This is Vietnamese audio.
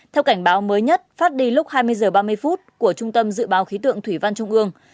theo cảnh báo mới nhất phát đi lúc hai mươi h ba mươi phút của trung tâm dự báo khí tượng thủy văn trung ương